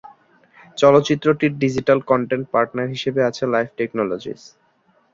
চলচ্চিত্রটির digital content partner হিসেবে আছে লাইভ টেকনোলজিস।